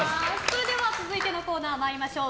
続いてのコーナー参りましょう。